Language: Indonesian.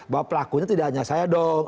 bahwa pelakunya tidak hanya saya dong